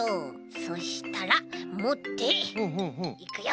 そしたらもっていくよ。